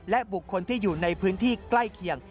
และบุคคลที่อยู่ในพื้นที่ใกล้เคียง